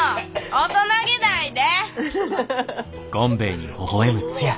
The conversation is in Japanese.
大人げないで！